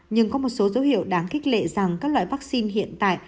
nhưng có một số dấu hiệu đáng khích lệ rằng các loại vaccine hiện tại